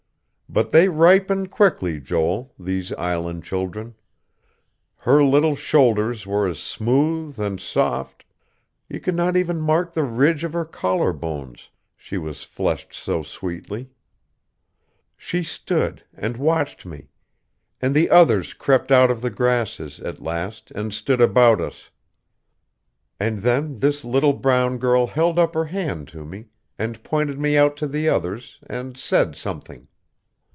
But they ripen quickly, Joel these Island children. Her little shoulders were as smooth and soft.... You could not even mark the ridge of her collar bones, she was fleshed so sweetly. She stood, and watched me; and the others crept out of the grasses, at last, and stood about us. And then this little brown girl held up her hand to me, and pointed me out to the others, and said something.